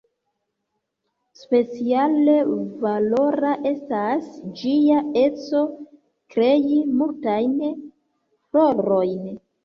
Speciale valora estas ĝia eco krei multajn florojn.